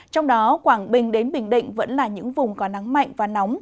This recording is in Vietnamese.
trong đó quảng bình đến bình định vẫn là những vùng có nắng mạnh và nóng